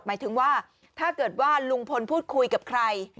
หมายถึงว่าถ้าเกิดว่าลุงพลพูดคุยกับใคร